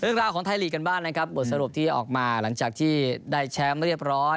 เรื่องราวของไทยลีกกันบ้างนะครับบทสรุปที่ออกมาหลังจากที่ได้แชมป์เรียบร้อย